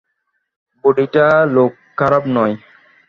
বুড়িটা লোক খারাপ নয়।